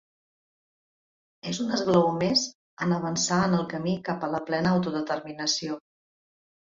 És un esglaó més en avançar en el camí cap a la plena autodeterminació.